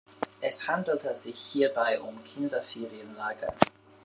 Es handelte sich hierbei um Kinderferienlager.